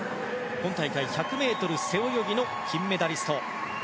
今大会１００ｍ背泳ぎの金メダリスト。